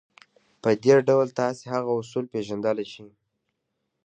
په دې ډول تاسې هغه اصول پېژندلای شئ.